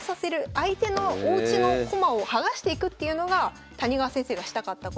相手のおうちの駒を剥がしていくっていうのが谷川先生がしたかったことで。